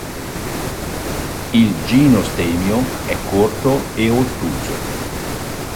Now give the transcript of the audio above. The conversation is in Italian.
Il ginostemio è corto e ottuso.